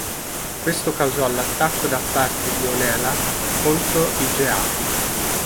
Questo causò l'attacco da parte di Onela contro i Geati.